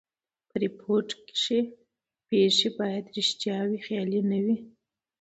په ریپورټ کښي پېښي باید ریښتیا وي؛ خیالي نه وي.